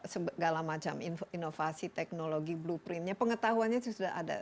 segala macam inovasi teknologi blueprintnya pengetahuannya itu sudah ada